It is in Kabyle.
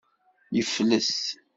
Yefles.